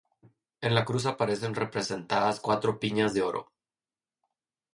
En la cruz aparecen representadas cuatro piñas de oro.